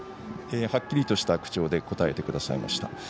はっきりとした口調で答えてくださいました。